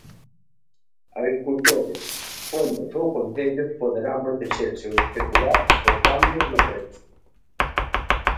Agricultores, fondos ou concellos poderán protexerse ou especular por cambios no prezo.